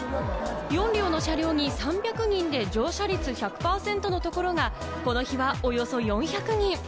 ４両の車両に３００人で、乗車率１００％のところが、この日はおよそ４００人。